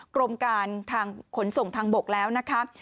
กรมการขนส่งทางบกแล้วนะครับ